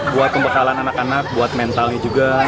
buat pembekalan anak anak buat mentalnya juga